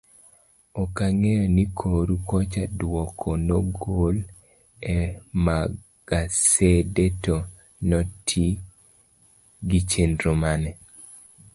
Okang'eyo ni koru kocha duoko nogol emagasede to noti gichenro mane.